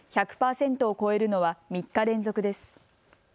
１００％を超えるのは３日連続です。